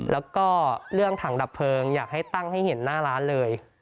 แล้วก็เรื่องถังดับเพลิงอยากให้ตั้งให้เห็นหน้าร้านเลย